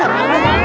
kau mau ke mana